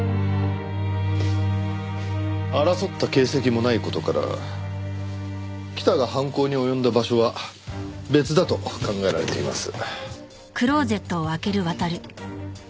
争った形跡もない事から北が犯行に及んだ場所は別だと考えられています。